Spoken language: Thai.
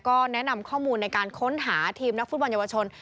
ก็แนะนำข้อมูลในการค้นหาทีมนักฟุตบอลเยาวชน